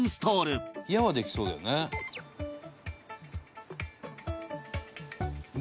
「“や”はできそうだよね」